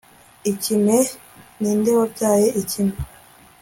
ikime yb ni nde wabyaye ikime